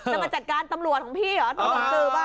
จะมาจัดการตำรวจของพี่เหรอเป็นความตื่นตา